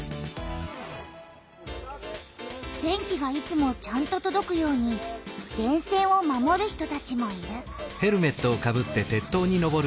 電気がいつもちゃんととどくように「電線」を守る人たちもいる。